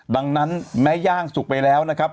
ดังนั้นแม้ย่างสุกไปแล้วนะครับ